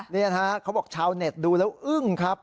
นี่นะฮะเขาบอกชาวเน็ตดูแล้วอึ้งครับ